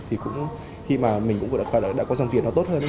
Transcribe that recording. thì cũng khi mà mình cũng vừa đã có dòng tiền nó tốt hơn